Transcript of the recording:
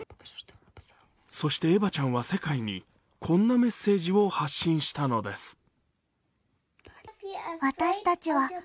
そしてエバちゃんは世界に、こんなメッセージを発信したのです。